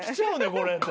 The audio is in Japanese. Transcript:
これって。